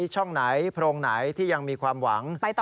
ใช่ค่ะ